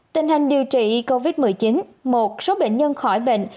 tình hình điều trị covid một mươi chín một số bệnh nhân khỏi bệnh